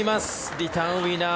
リターンウィナー。